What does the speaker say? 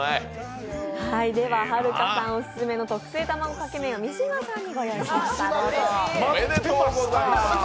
では、はるかさんオススメの特製卵かけ麺を三島さんにご用意しました。